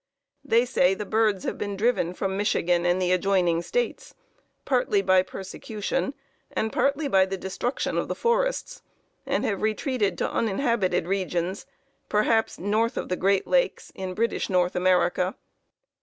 They say the birds have been driven from Michigan and the adjoining States, partly by persecution, and partly by the destruction of the forests, and have retreated to uninhabited regions, perhaps north of the Great Lakes in British North America.